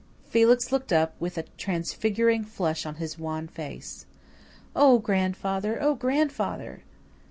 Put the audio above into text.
Felix looked up, with a transfiguring flush on his wan face. "Oh, grandfather! Oh, grandfather!"